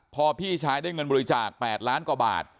พอพี่ชายได้เงินบริจาค๘ล้านกว่าบาท